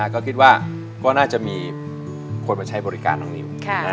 ก็คิดว่าก็น่าจะมีคนมาใช้บริการน้องนิว